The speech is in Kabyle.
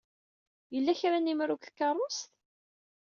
Yella kra n yemru deg tkeṛṛust?